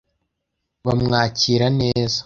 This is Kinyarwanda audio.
bamwakira neza